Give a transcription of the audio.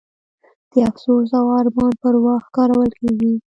د افسوس او ارمان پر وخت کارول کیږي.